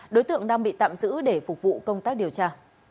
đối tượng đang bị tạm giữ để phục vụ công tác điều tra